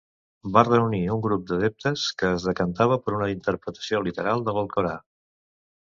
Va reunir un grup d'adeptes que es decantava per una interpretació literal de l'Alcorà.